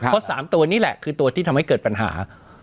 เพราะ๓ตัวนี่แหละคือตัวที่ทำให้เกิดปัญหา